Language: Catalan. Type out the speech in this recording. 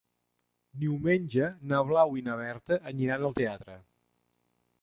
Diumenge na Blau i na Berta aniran al teatre.